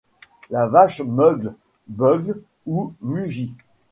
la vache meugle, beugle ou mugit